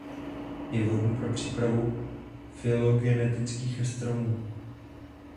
Je vhodný pro přípravu fylogenetických stromů.